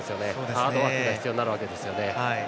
ハードワークが必要になるわけですね。